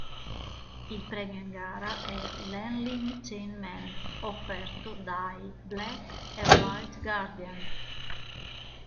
Il premio in gara è l'Enlightenment, offerto dai Black e i White Guardian.